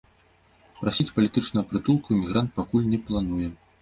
Прасіць палітычнага прытулку эмігрант пакуль не плануе.